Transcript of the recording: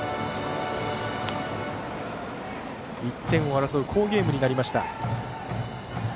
１点を争う好ゲームになりました。